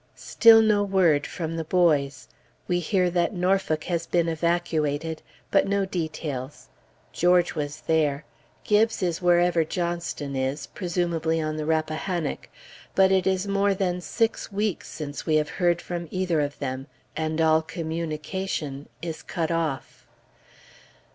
Still no word from the boys. We hear that Norfolk has been evacuated; but no details. George was there. Gibbes is wherever Johnston is, presumably on the Rappahannock; but it is more than six weeks since we have heard from either of them, and all communication is cut off.